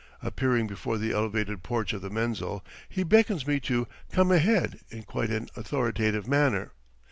Appearing before the elevated porch of the menzil, he beckons me to "come ahead" in quite an authoritative manner.